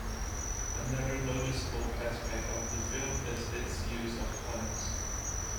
Another noticeable aspect of the film is its use of puns.